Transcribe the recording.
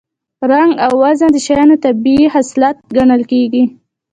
رنګ او وزن د شیانو طبیعي خصلت ګڼل کېږي